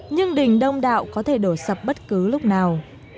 nhưng đình đông đạo có thể đổ sập bất cứ lúc nào